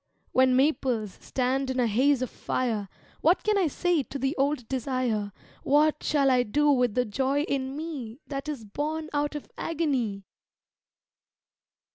When maples stand in a haze of fire What can I say to the old desire, What shall I do with the joy in me That is born out of agony?